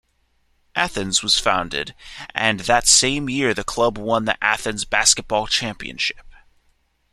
Athens was founded, and that same year the club won the Athens basketball championship.